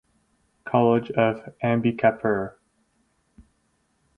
College of Ambikapur.